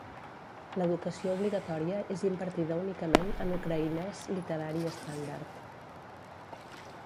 L'educació obligatòria és impartida únicament en ucraïnés literari estàndard.